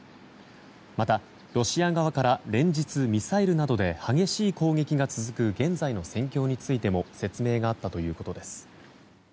また、ロシア側から連日ミサイルなどで激しい攻撃が続く現在の戦況についても説明があったということです。